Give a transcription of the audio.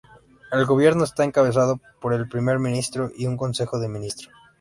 El gobierno está encabezado por el primer ministro y un consejo de ministros.